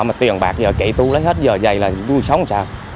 mà tiền bạc giờ kể tui lấy hết giờ dậy là tụi tui sống sao